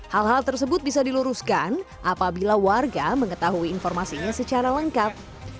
hal hal tersebut bisa diluruskan apabila warga mengetahui informasinya secara lengkap